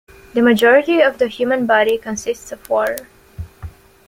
The majority of the human body consists of water.